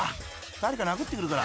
誰か殴ってくるから］